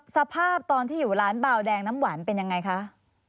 สภาพตอนที่อยู่ร้านเบาแดงน้ำหวานเป็นยังไงคะ